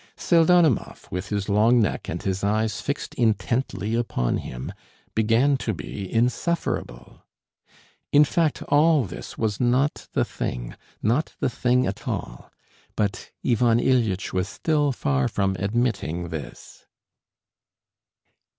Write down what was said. Pseldonimov, with his long neck and his eyes fixed intently upon him, began to be insufferable. In fact, all this was not the thing, not the thing at all, but Ivan Ilyitch was still far from admitting this.